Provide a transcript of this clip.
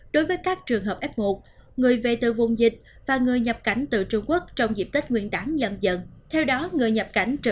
đối với các trường hợp f một người về từ vùng dịch và người nhập cảnh từ trung quốc trong dịp tết nguyên đáng dần dần